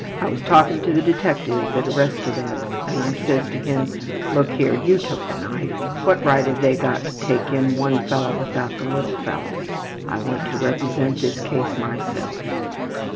I was talking to the detective that arrested X. and I says to him, `Look here, you took the knife. What right have they got to take in one fellow without the little fellow?' I want to represent this case myself.''